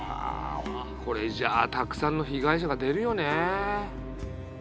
これじゃあたくさんの被害者が出るよね。